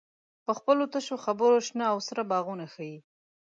په خپلو تشو خبرو شنه او سره باغونه ښیې.